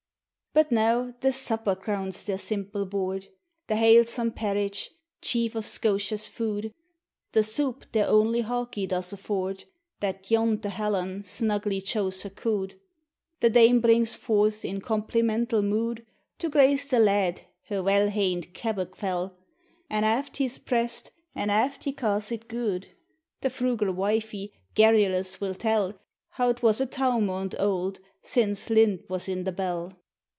But now the supper crowns their simple board, The halesome parriteh, chief o' Scotia's food ; The soupe their only hawkie * does afford, That 'yont the hallau f snugly chows her cood ; The dame brings forth, iu complimental mood, To grace the lad, her weel hained kebbuck % fell, An' aft he 's prest, an' aft he ca's it guid; The frugal witie, garrulous, will tell, How 't was a towmond § auld, sin' lint was i' the bell.